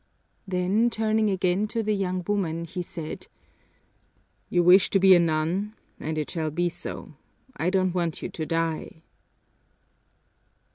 Then, turning again to the young woman, he said, "You wish to be a nun, and it shall be so. I don't want you to die."